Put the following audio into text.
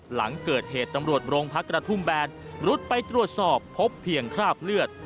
หลังเกิดเหตุตำรวจโรงพักกระทุ่มแบนรุดไปตรวจสอบพบเพียงคราบเลือด